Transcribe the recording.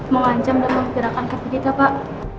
menghancam dalam gerakan kredit kita pak